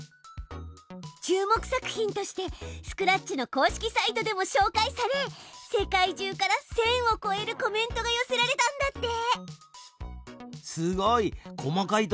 注目作品としてスクラッチの公式サイトでもしょうかいされ世界じゅうから１，０００をこえるコメントが寄せられたんだって。